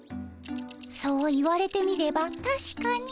そう言われてみればたしかに。